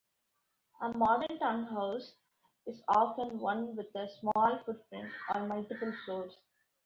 A modern town house is often one with a small footprint on multiple floors.